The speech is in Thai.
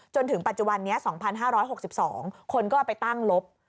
จนถึงปัจจุบันนี้๒๕๖๒คนก็เอาไปตั้งลบ